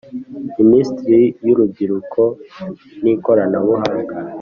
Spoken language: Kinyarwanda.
Minisiteri y Urubyiruko n Ikoranabuhanga